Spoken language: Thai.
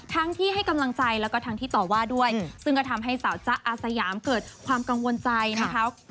ทั้งที่ให้กำลังใจแล้วก็ทั้งที่ต่อว่าด้วยซึ่งก็ทำให้สาวจ๊ะอาสยามเกิดความกังวลใจนะคะ